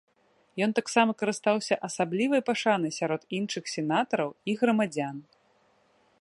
Ён таксама карыстаўся асаблівай пашанай сярод іншых сенатараў і грамадзян.